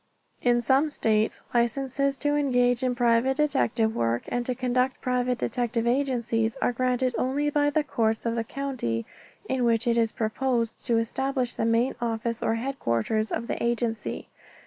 In some states licenses to engage in private detective work and to conduct private detective agencies are granted only by the courts of the county in which it is proposed to establish the main office or headquarters of the agency.